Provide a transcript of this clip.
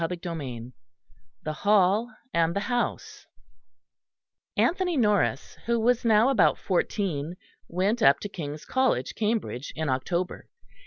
CHAPTER II THE HALL AND THE HOUSE Anthony Norris, who was now about fourteen, went up to King's College, Cambridge, in October.